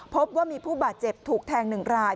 พบว่ามีผู้บาดเจ็บถูกแทง๑ราย